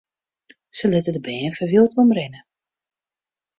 Sy litte de bern foar wyld omrinne.